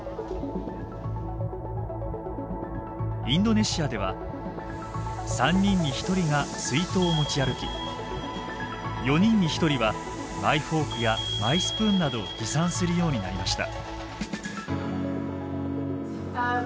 インドネシアでは３人に１人が水筒を持ち歩き４人に１人はマイフォークやマイスプーンなどを持参するようになりました。